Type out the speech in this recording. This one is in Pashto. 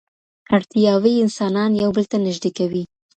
اړتیاوې انسانان یو بل ته نږدې کوي.